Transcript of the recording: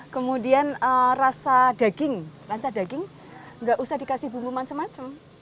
kemudian rasa daging rasa daging nggak usah dikasih bumbu macam macam